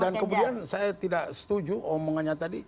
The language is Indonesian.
dan kemudian saya tidak setuju omongannya tadi